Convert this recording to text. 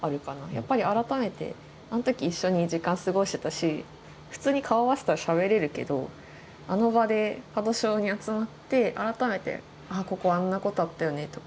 やっぱり改めてあの時一緒に時間過ごしてたし普通に顔を合わせてたらしゃべれるけどあの場で門小に集まって改めて「あここあんなことあったよね」とか。